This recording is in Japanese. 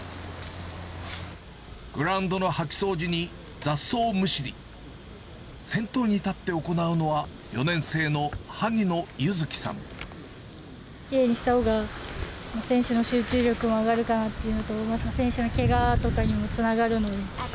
グラウンドの掃き掃除に雑草むしり、先頭に立って行うのは、きれいにしたほうが、選手の集中力も上がるのかなというのと、選手のけがとかにもつながるので。